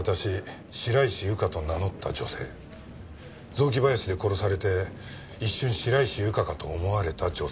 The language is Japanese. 雑木林で殺されて一瞬白石ゆかかと思われた女性。